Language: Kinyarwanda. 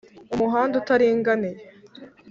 Umuhanda utaringaniye